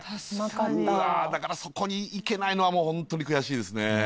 うわだからそこに行けないのはもうホントに悔しいですね。